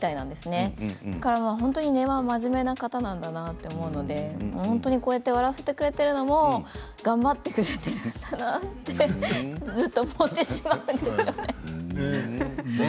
根は本当に真面目な方なんだなと思うので本当にこうやって笑わせてくれているのも頑張ってくれているんだなってずっと思ってしまうので。